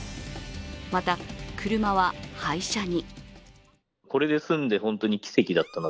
また、車は廃車に。